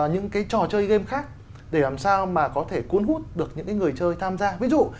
những cái trò chơi game khác để làm sao mà có thể cuốn hút được những cái người chơi tham gia ví dụ